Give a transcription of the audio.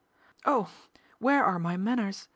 " Oh ! where are my manners